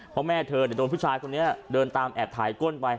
เพราะแม่เธอโดนผู้ชายคนนี้เดินตามแอบถ่ายก้นไป